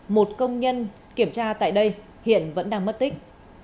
một công nhân kiểm tra tại đây hiện vẫn đang mất tích